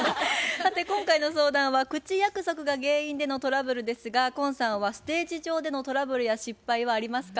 さて今回の相談は口約束が原因でのトラブルですが今さんはステージ上でのトラブルや失敗はありますか？